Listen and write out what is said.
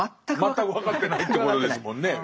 全く分かってないってことですもんね。